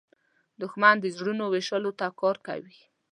دښمن د زړونو ویشلو ته کار کوي